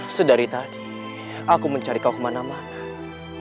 sedari tadi aku mencari kau kemana mana